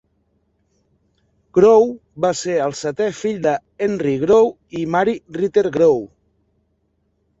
Grow va ser el setè fill de Henry Grow i Mary Riter Grow.